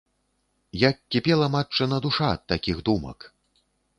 Як кіпела матчына душа ад такіх думак.